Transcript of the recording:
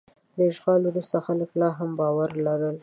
د اشغال وروسته خلک لا هم باور لرل.